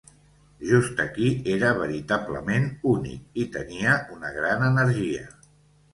Just aquí, era veritablement únic. I tenia una gran energia.